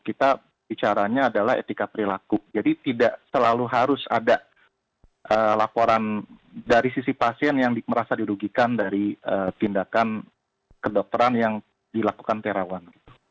kita bicaranya adalah etika perilaku jadi tidak selalu harus ada laporan dari sisi pasien yang merasa dirugikan dari tindakan kedokteran yang dilakukan terawan